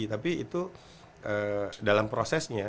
tapi itu dalam prosesnya